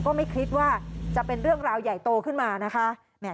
ก็ไม่คิดว่าจะเป็นเรื่องราวใหญ่โตขึ้นมานะคะ